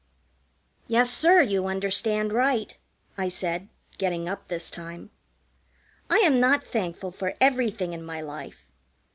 "Yes, sir, you understand right," I said, getting up this time. "I am not thankful for everything in my life.